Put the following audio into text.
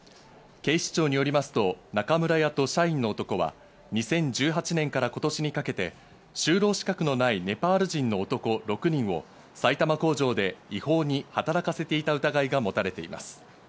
警視庁によりますと、中村屋と社員の男は２０１８年から今年にかけて、就労資格のないネパール人の男６人を埼玉工場で違法に働かせていた疑いが持たれています。